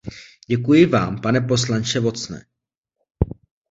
Děkuji vám, pane poslanče Watsone.